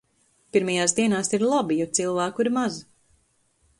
Pirmajās dienās ir labi, jo cilvēku ir maz.